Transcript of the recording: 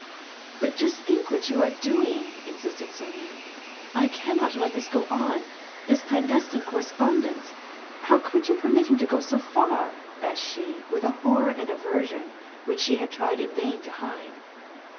" But just think what you are doing," insisted Sonya. " I cannot let this go on. This clandestine correspondence ! How could you permit him to go so far ?" asked she, with a horror and aversion which she tried in vain to hide.